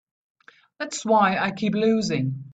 That's why I keep losing.